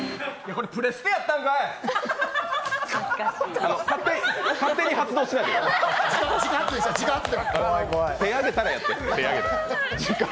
これ、プレステやったんかい！